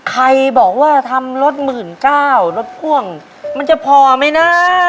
ใครบอกว่าทำรถหมื่นเก้ารถพ่วงมันจะพอไหมนะ